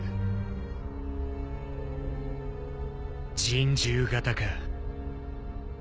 人獣型か。